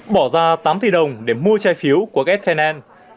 bỏ ra tám tỷ đồng để mua trái phiếu của ks finance